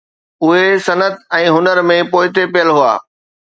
اهي صنعت ۽ هنر ۾ پوئتي پيل هئا